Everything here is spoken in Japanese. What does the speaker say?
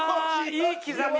いい刻み。